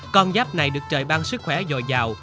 con giáp này được trời bang sức khỏe dồi dào